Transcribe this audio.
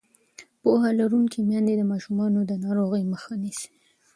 پوهه لرونکې میندې د ماشومانو د ناروغۍ مخه نیسي.